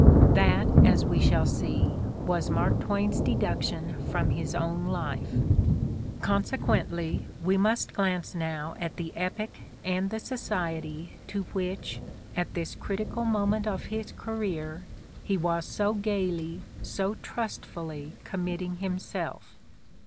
'' That, as we shall see, was Mark Twain's deduction from his own life. Consequently, we must glance now at the epoch and the society to which, at this critical moment of his career, he was so gaily, so trustfully committing him self.